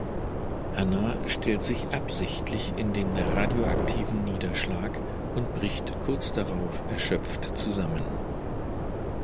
Hannah stellt sich absichtlich in den radioaktiven Niederschlag und bricht kurz darauf erschöpft zusammen.